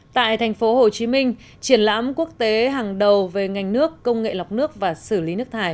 tại thành phố hồ chí minh triển lãm quốc tế hàng đầu về ngành nước công nghệ lọc nước và xử lý nước thải